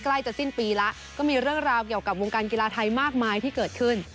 ใกล้จะสิ้นปีแล้วก็มีเรื่องราวเกี่ยวกับวงการกีฬาไทยมากมายที่เกิดขึ้น